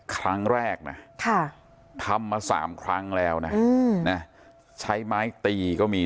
ครั้งแรกน่ะค่ะทำมาสามครั้งแล้วน่ะอืมใช้ไม้ตีก็มี